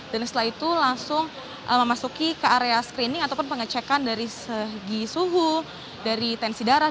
dan setelah itu langsung memasuki ke area screening ataupun pengecekan dari segi suhu dari tensi darah